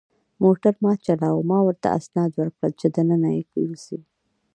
موټر ما چلاوه، ما ورته اسناد ورکړل چې دننه یې یوسي.